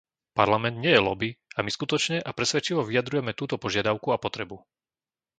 Parlament nie je loby a my skutočne a presvedčivo vyjadrujeme túto požiadavku a potrebu!